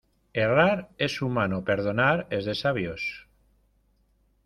Errar es humano, perdonar es de sabios.